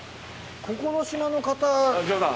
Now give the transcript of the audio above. ここの島の方。